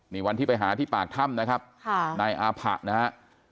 นี่วันที่ไปหาที่ปากถ้ำนะครับนายอาผะนะฮะ